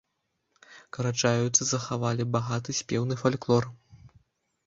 Карачаеўцы захавалі багаты спеўны фальклор.